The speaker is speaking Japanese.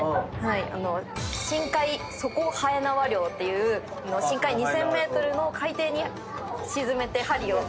深海底延縄漁っていう深海２，０００ｍの海底に沈めて針を。